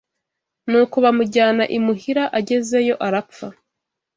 Nuko bamujyana imuhira agezeyo arapfa.